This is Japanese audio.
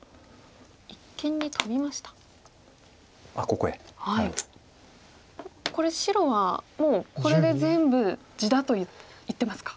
これ白はもうこれで全部地だと言ってますか。